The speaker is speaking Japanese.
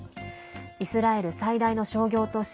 イスラエル最大の商業都市